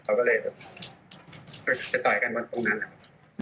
เขาก็เลยจะต่อยกันตรงนั้นครับ